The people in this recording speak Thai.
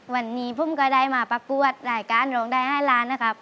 วันนี้ผมก็ได้มาประกวดรายการร้องได้ให้ล้านนะครับ